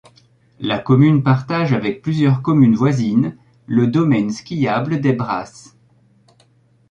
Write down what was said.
La commune partage avec plusieurs communes voisines le domaine skiable des Brasses.